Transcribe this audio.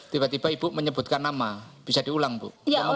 tiba tiba ibu menyebutkan nama bisa diulang bu